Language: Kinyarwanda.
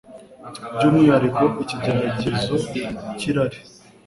byumwihariko ikigeragezo cyirari